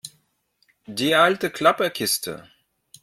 Die alte Klapperkiste?